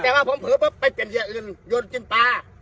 แต่ว่าผมไปเป็นยอกจบตา